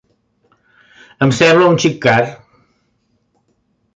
Em sembla un xic car.